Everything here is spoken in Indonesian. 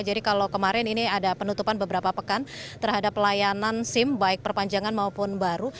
kalau kemarin ini ada penutupan beberapa pekan terhadap pelayanan sim baik perpanjangan maupun baru